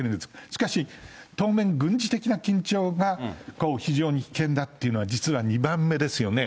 しかし当面、軍事的な緊張が非常に危険だというのは、実は２番目ですよね。